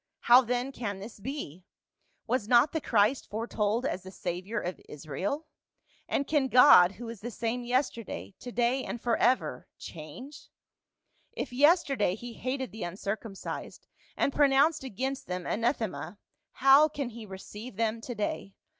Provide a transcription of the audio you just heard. How then can this be ? Was not the Christ foretold as the Savior of Israel ? And can God who is the same yesterday, to day and forever, change ? If yesterday he hated the uncircumcised, and pronounced against them anathema, how can he receive them to day?